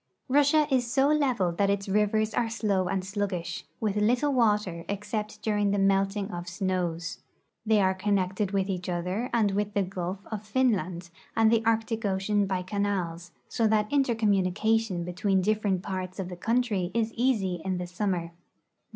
Russia is so level that its rivers are slow and sluggish, with little water except during the melting of snows. They are connected Avith each other and Avith the gulf of Finland and the Arctic ocean by canals, so that inter communication betAveen different parts of the country is easy in the summer.